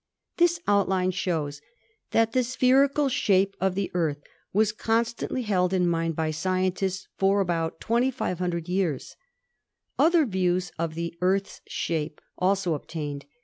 This outline shows that the spherical shape of the Earth was constantly held in mind by scientists for about 2,500 years. Other views of the Earth's shape also obtained.